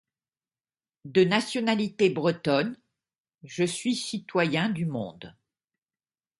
De nationalité bretonne, je suis citoyen du monde.